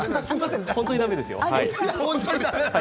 本当にだめですよ！